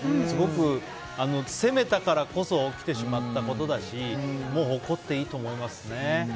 すごく攻めたからこそ起きてしまったことだし誇っていいと思いますね。